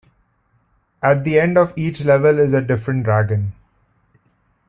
At the end of each level is a different dragon.